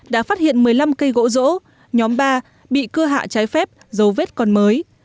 đã phát hiện một mươi năm cây gỗ rỗ nhóm ba bị cưa hạ trái phép dấu vết còn mới